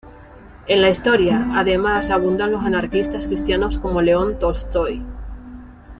En la historia, además, abundan los anarquistas cristianos como León Tolstói.